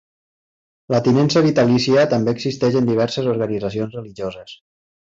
La tinença vitalícia també existeix en diverses organitzacions religioses.